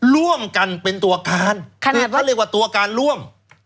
ร่วมกันเป็นตัวการคือเขาเรียกว่าตัวการร่วม